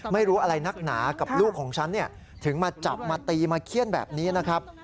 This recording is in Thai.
ไม่รู้อะไรนักหนากับลูกของฉันถึงมาจับมาตีมาเขี้ยนแบบนี้นะครับ